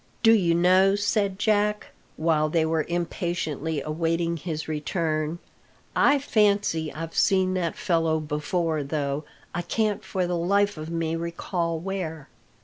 "Do you know," said Jack, while they were impatiently awaiting his return, "I fancy I've seen that fellow before, though I can't for the life of me recall where."